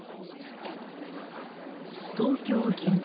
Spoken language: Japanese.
東京・銀座。